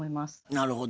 なるほど。